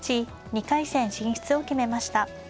２回戦進出を決めました。